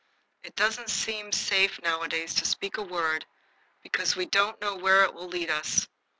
It doesn't seem safe nowadays to speak a word, because we don't know where it will lead us.